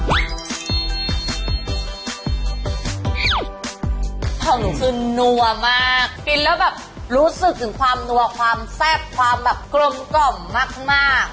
ของหนูคือนัวมากกินแล้วแบบรู้สึกถึงความนัวความแซ่บความแบบกลมกล่อมมาก